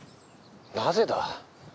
なぜだ？